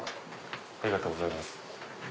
ありがとうございます。